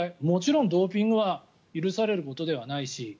もちろんドーピングは許されることではないし